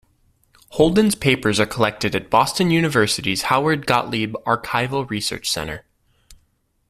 Holden's papers are collected at Boston University's Howard Gotlieb Archival Research Center.